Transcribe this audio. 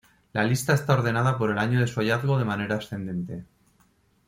La lista está ordenada por el año de su hallazgo de manera ascendente.